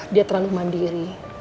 dia terlalu mandiri